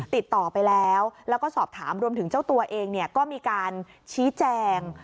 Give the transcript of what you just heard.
ติดต่อไปแล้วแล้วก็สอบถามรวมถึงเจ้าตัวเองเนี่ยก็มีการชี้แจง